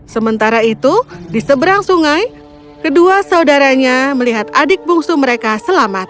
sementara itu di seberang sungai kedua saudaranya melihat adik bungsu mereka selamat